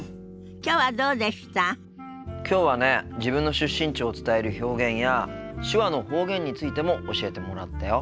きょうはね自分の出身地を伝える表現や手話の方言についても教えてもらったよ。